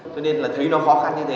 cho nên là thấy nó khó khăn như thế